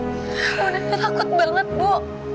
ibu nanda takut banget ibu